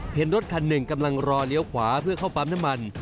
เห็นรถคันหนึ่งกำลังรอเลี้ยวขวาเพื่อเข้าปั๊มน้ำมัน